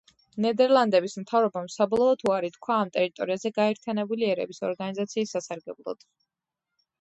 ნიდერლანდების მთავრობამ საბოლოოდ უარი თქვა ამ ტერიტორიაზე გაერთიანებული ერების ორგანიზაციის სასარგებლოდ.